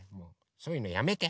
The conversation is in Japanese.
そういうのやめて。